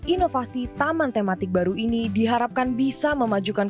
inovasi taman tematik baru ini diharapkan bisa memajukan